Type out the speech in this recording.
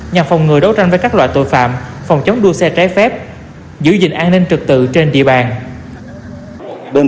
nhằm phòng ngừa đấu tranh với các loại tội phạm phòng chống đua xe trái phép giữ gìn an ninh trực tự trên địa bàn